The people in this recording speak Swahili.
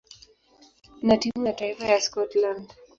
na timu ya taifa ya Scotland.